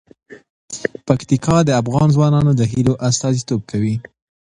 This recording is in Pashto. پکتیکا د افغان ځوانانو د هیلو استازیتوب کوي.